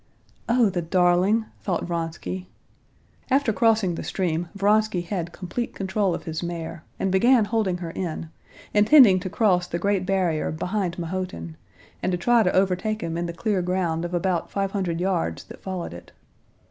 "O the darling!" thought Vronsky. After crossing the stream Vronsky had complete control of his mare, and began holding her in, intending to cross the great barrier behind Mahotin, and to try to overtake him in the clear ground of about five hundred yards that followed it.